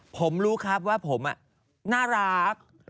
ผมรู้ครับว่าผมน่ารัก